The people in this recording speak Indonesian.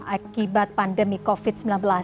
akibat pandemi covid sembilan belas